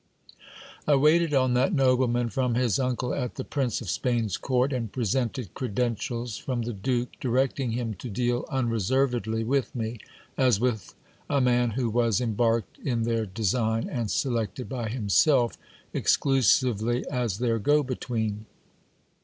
I waited on that nobleman from his uncle at the Prince of Spain's court, and presented credentials from the duke, directing him to deal unreservedly with me, as with a man who was embarked in their design and selected by himself exclusively as their go between.